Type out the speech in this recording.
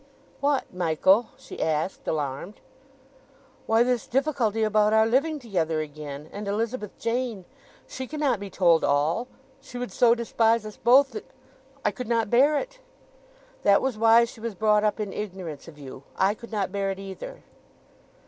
"What, Michael?" she asked, alarmed. "Why, this difficulty about our living together again, and Elizabeth Jane. She cannot be told all—she would so despise us both that—I could not bear it!" "That was why she was brought up in ignorance of you. I could not bear it either."